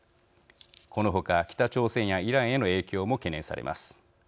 この他、北朝鮮やイランへの影響も懸念されます。